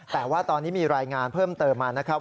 แต่ว่าตอนนี้มีรายงานเพิ่มเติมมานะครับ